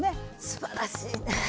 すばらしいね。